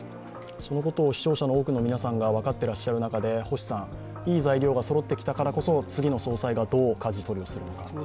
そのことを視聴者の多くの皆さんが分かっている中でいい材料がそろってきたからこそ次の総裁がどうかじ取りをするのか。